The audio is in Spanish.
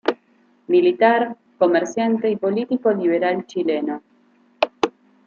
Militar, comerciante y político liberal chileno.